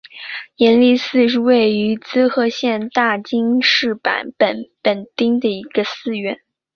延历寺是位于滋贺县大津市坂本本町的一个寺院。